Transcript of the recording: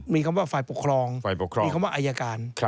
มีคำว่าฝ่ายปกครองมีคำว่าไอยการ